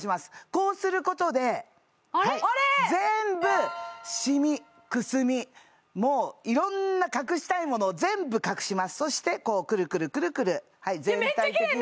こうすることで全部シミくすみもういろんな隠したいものを全部隠しますそしてくるくるくるくる全体的にめっちゃキレイ！